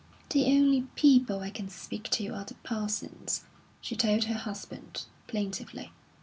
"The only people I can speak to are the Parsons," she told her husband, plaintively.